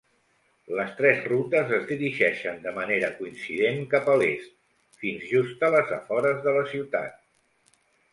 Les tres rutes es dirigeixen de manera coincident cap a l'est, fins just a les afores de la ciutat.